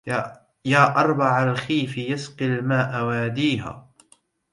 يا أربع الخيف يسقي الماء واديها